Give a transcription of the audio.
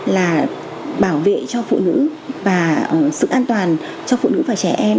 là bảo vệ cho phụ nữ và sự an toàn cho phụ nữ và trẻ em